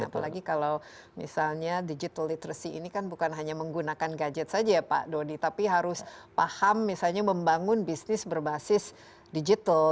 apalagi kalau misalnya digital literacy ini kan bukan hanya menggunakan gadget saja ya pak dodi tapi harus paham misalnya membangun bisnis berbasis digital